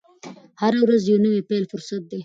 هره ورځ د نوي پیل فرصت دی.